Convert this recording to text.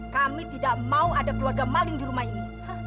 kami tidak mau ada keluarga maling di rumah ini